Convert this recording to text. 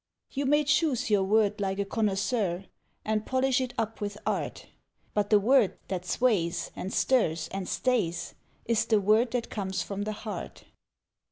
You may choose your word like a connoisseur, And polish it up with art, But the word that sways, and stirs, and stays, Is the word that comes from the heart.